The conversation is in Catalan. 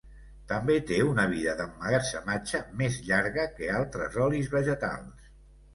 També té una vida d'emmagatzematge més llarga que altres olis vegetals.